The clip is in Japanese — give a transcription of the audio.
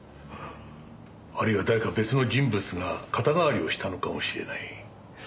あるいは誰か別の人物が肩代わりをしたのかもしれない。